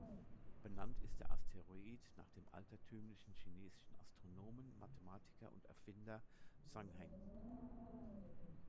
Benannt ist der Asteroid nach dem altertümlichen chinesischen Astronomen, Mathematiker und Erfinder Zhang Heng.